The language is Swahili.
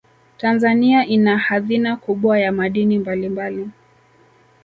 tanzania ina hadhina kubwa ya madini mbalimbali